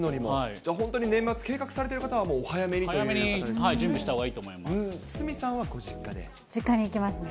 じゃあ本当に年末、計画されている方はお早めにということですね。